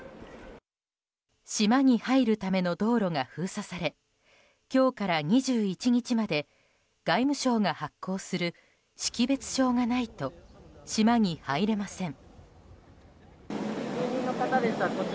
島に入るための道路が封鎖され今日から２１日まで外務省が発行する識別証がないと島に入れません。